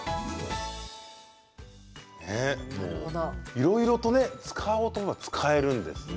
いろいろと使おうと思えば使えるんですね。